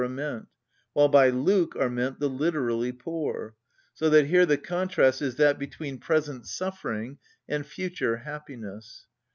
meant, while by Luke are meant the literally poor; so that here the contrast is that between present suffering and future happiness.